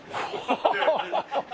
ハハハハッ！